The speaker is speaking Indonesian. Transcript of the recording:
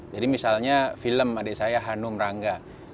jadi misalnya film adik saya hanum rangga